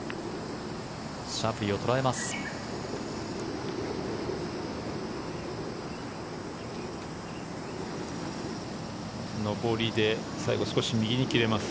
シャフリーを捉えます。